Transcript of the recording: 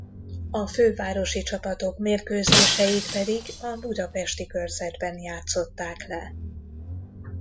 A fővárosi csapatok mérkőzéseit pedig a budapesti körzetben játszották le.